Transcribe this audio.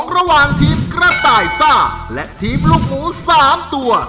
ระหว่างทีมกระต่ายซ่าและทีมลูกหมู๓ตัว